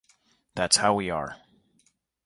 That's how we are.